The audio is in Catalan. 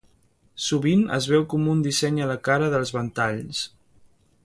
Sovint es veu com un disseny a la cara dels ventalls.